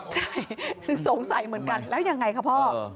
ใช่ถึงสงสัยเหมือนกันแล้วยังไงคะพ่อ